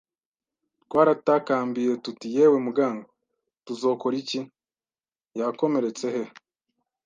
Twaratakambiye tuti: “Yewe muganga, tuzokora iki? Yakomeretse he? ”